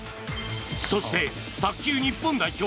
そして、卓球日本代表